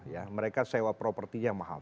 ya mereka sewa propertinya mahal